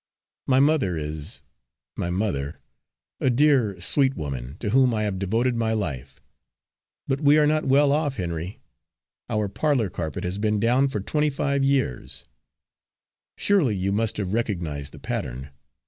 My mother is my mother a dear, sweet woman to whom I have devoted my life! But we are not well off, Henry. Our parlour carpet has been down for twenty five years; surely you must have recognised the pattern!